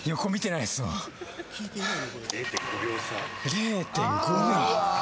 ０．５秒！？